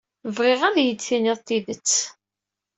Bɣiɣ ad iyi-d-tiniḍ tidet.